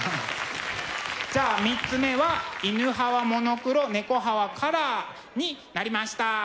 じゃあ３つ目は「犬派はモノクロ猫派はカラー」になりました。